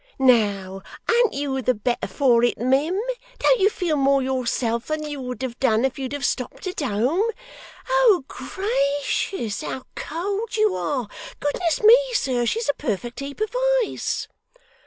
Now, an't you the better for it, mim? Don't you feel more yourself than you would have done if you'd have stopped at home? Oh, gracious! how cold you are! Goodness me, sir, she's a perfect heap of ice.